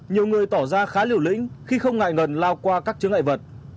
nhiều người tỏ ra khá liều lĩnh khi không ngại ngần lao qua các chứng ngại vật